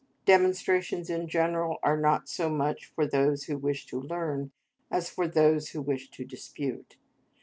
Demonstrations in general are not so much for those who wish to learn as for those who wish to dispute.